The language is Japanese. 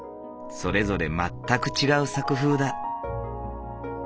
それぞれ全く違う作風だ。